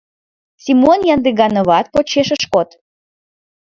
Семон Яндыгановат почеш ыш код.